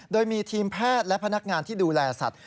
โดยมีทีมแพทย์และพนักงานที่ดูแลสัตว